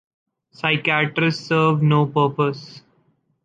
Psychiatrists serve no purpose.